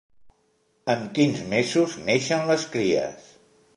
En quins mesos neixen les cries?